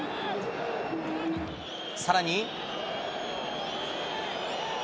さらに。